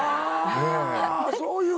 あそういう。